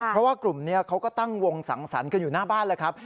เพราะว่ากลุ่มนี้เขาก็ตั้งวงสังสรรค์กันอยู่หน้าบ้านแล้วครับ